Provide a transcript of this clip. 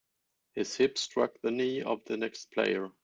His hip struck the knee of the next player.